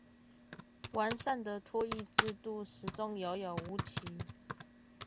完善的托育制度始終遙遙無期